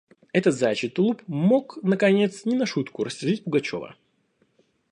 Этот заячий тулуп мог, наконец, не на шутку рассердить Пугачева.